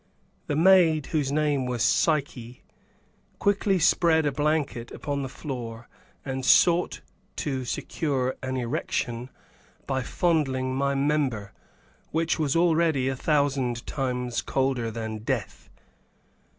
The maid, whose name was Psyche, quickly spread a blanket upon the floor (and) sought to secure an erection by fondling my member, which was already a thousand times colder than death.